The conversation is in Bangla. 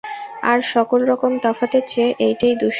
আর সকল রকম তফাতের চেয়ে এইটেই দুঃসহ।